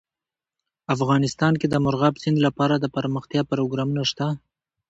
افغانستان کې د مورغاب سیند لپاره دپرمختیا پروګرامونه شته.